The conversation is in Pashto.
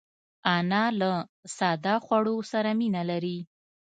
انا له ساده خوړو سره مینه لري